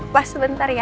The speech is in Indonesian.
pak sebentar ya